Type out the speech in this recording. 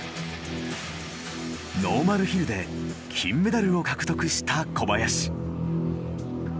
ノーマルヒルで金メダルを獲得した小林。